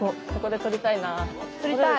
撮りたい。